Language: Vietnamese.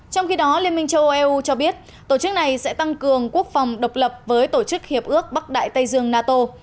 trong khi đó liên minh châu âu eu cho biết tổ chức này sẽ tăng cường quốc phòng độc lập với tổ chức hiệp ước bắc đại tây dương nato